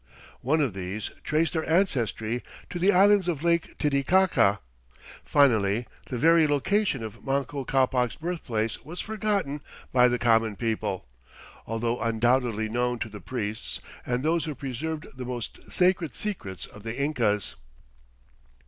One of these traced their ancestry to the islands of Lake Titicaca. Finally the very location of Manco Ccapac's birthplace was forgotten by the common people although undoubtedly known to the priests and those who preserved the most sacred secrets of the Incas.